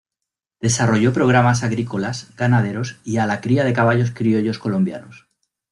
Desarrolló programas agrícolas, ganaderos y a la cría de caballos criollos colombianos.